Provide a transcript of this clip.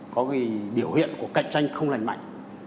có biểu hiện của cạnh tranh không lành mạnh